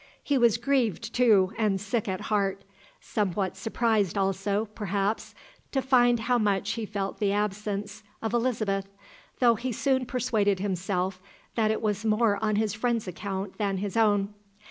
He was grieved too, and sick at heart. Somewhat surprised also, perhaps, to find how much he felt the absence of Elizabeth, though he soon persuaded himself that it was more on his friend's account than his own.